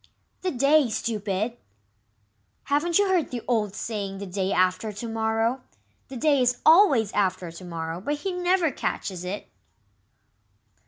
"The day stupid! Haven't you heard the old saying, 'The day after to morrow'? The day is always after to morrow, but he never catches it."